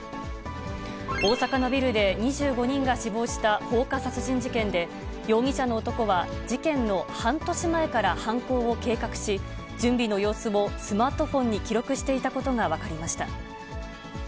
大阪のビルで２５人が死亡した放火殺人事件で、容疑者の男は、事件の半年前から犯行を計画し、準備の様子をスマートフォンに記録していたことが分かりました。